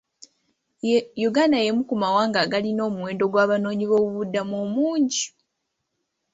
Uganda y'emu ku mawanga agalina omuwendo gw'Abanoonyiboobubudamu omungi.